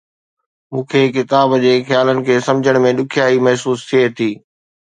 مون کي ڪتاب جي خيالن کي سمجهڻ ۾ ڏکيائي محسوس ٿئي ٿي